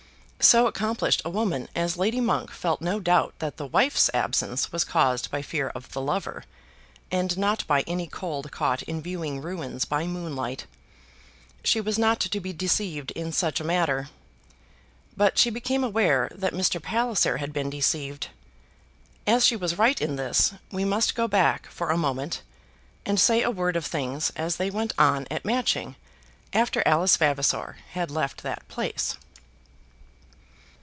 So accomplished a woman as Lady Monk felt no doubt that the wife's absence was caused by fear of the lover, and not by any cold caught in viewing ruins by moonlight. She was not to be deceived in such a matter. But she became aware that Mr. Palliser had been deceived. As she was right in this we must go back for a moment, and say a word of things as they went on at Matching after Alice Vavasor had left that place.